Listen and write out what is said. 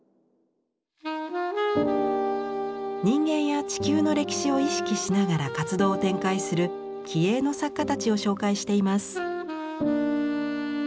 人間や地球の歴史を意識しながら活動を展開する気鋭の作家たちを紹介しています。